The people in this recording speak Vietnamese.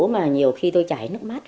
mà nhiều khi tôi chảy nước mắt